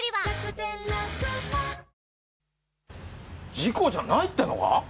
事故じゃないってのか？